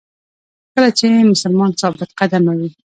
کله چې مسلمان ثابت قدمه وي.